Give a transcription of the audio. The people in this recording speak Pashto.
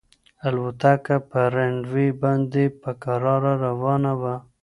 الوتکه په رن وې باندې په کراره روانه وه.